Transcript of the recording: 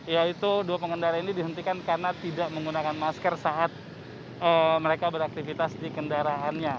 yaitu dua pengendara ini dihentikan karena tidak menggunakan masker saat mereka beraktivitas di kendaraannya